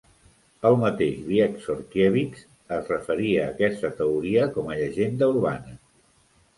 El mateix Wieczorkiewicz es referia a aquesta teoria com a llegenda urbana.